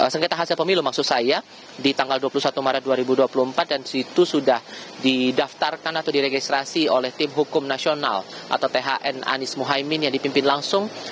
sengketa hasil pemilu maksud saya di tanggal dua puluh satu maret dua ribu dua puluh empat dan situ sudah didaftarkan atau diregistrasi oleh tim hukum nasional atau thn anies muhaymin yang dipimpin langsung